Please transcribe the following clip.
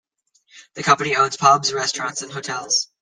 The company owns pubs, restaurants and hotels.